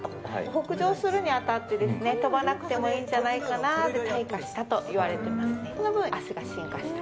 北上するに当たって飛ばなくていいんじゃないかなと退化したといわれてますね。